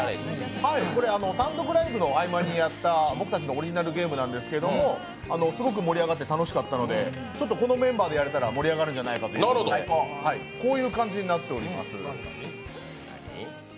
単独ライブの合間にやった僕たちのオリジナルゲームなんですけどすごく盛り上がって楽しかったので、このメンバーでやれたら盛り上がるんじゃないかなということでこういう感じになっています。